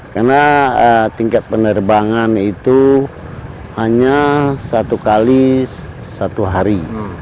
karena tingkat penerbangan itu hanya satu kali satu hari